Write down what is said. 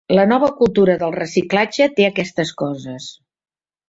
La nova cultura del reciclatge té aquestes coses.